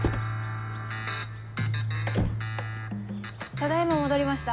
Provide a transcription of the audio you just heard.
ただ今戻りました。